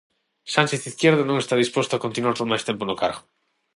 Sánchez Izquierdo non está disposto a continuar por máis tempo no cargo.